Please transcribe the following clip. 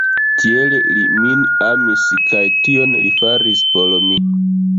Tiel li min amis kaj tion li faris por mi.